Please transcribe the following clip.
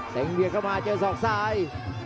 งเบียดเข้ามาเจอศอกซ้าย